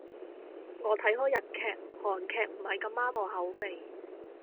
我睇開日劇，韓劇唔係咁啱我口味